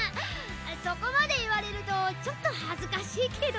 そこまで言われるとちょっと恥ずかしいけど。